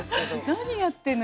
「何やってんの？